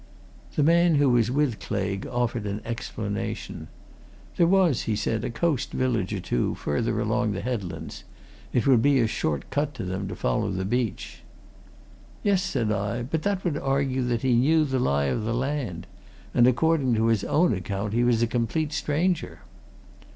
The man who was with Claigue offered an explanation. There was, he said, a coast village or two further along the headlands; it would be a short cut to them to follow the beach. "Yes," said I, "but that would argue that he knew the lie of the land. And, according to his own account, he was a complete stranger."